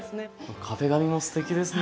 壁紙もすてきですね。